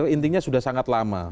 intinya sudah sangat lama